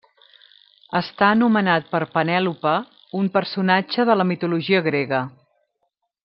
Està anomenat per Penèlope, un personatge de la mitologia grega.